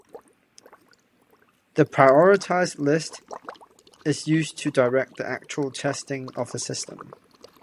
The prioritized list is used to direct the actual testing of the system.